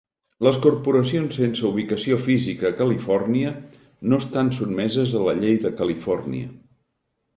Les corporacions sense ubicació física a Califòrnia no estan sotmeses a la llei de Califòrnia.